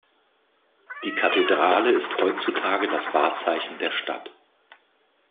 Die Kathedrale ist heutzutage das Wahrzeichen der Stadt.